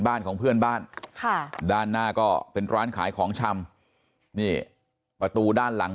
บ้านของเพื่อนบ้านค่ะด้านหน้าก็เป็นร้านขายของชำนี่ประตูด้านหลัง